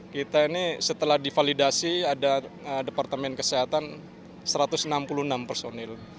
kita ini setelah divalidasi ada departemen kesehatan satu ratus enam puluh enam personil